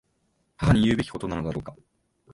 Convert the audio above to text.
母に言うべきことなのだろうか。